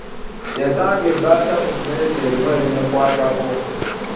Yasanga ebbaasa ku mmeeza erimu ebimukwatako.